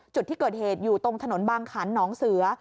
จุดที่เกิดเหตุอยู่ตรงถนนบางขันหนองเสือ